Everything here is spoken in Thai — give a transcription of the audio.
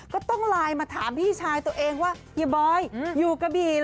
ก็ต้องไลน์มาถามพี่ชายตัวเองว่าเฮียบอยอยู่กระบี่